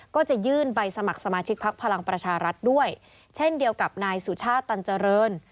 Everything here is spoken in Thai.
ก็จะยื่นใบสมัครสมาชิกพักพลังประชารัฐด้วยเช่นเดียวกับนายสุชาติตันเจริญ